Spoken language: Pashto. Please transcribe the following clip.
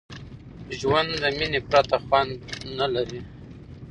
ژوند د میني پرته خوند نه لري.